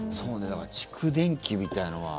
だから、蓄電器みたいなのは。